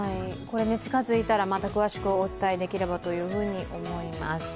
近づいたらまた詳しくお伝えできればと思います。